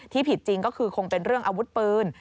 ผิดจริงก็คือคงเป็นเรื่องอาวุธปืน